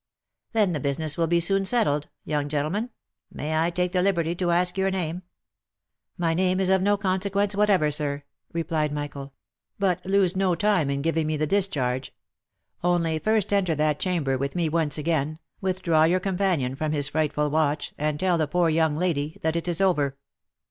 "Then the business will be soon settled, young gentleman. May I take the liberty to ask your name V* " My name is of no consequence whatever, sir," replied Michael. "But lose no time in giving me the discharge. Only first enter that chamber with me once again, withdraw your companion from his frightful watch, and tell the poor young lady that it is over."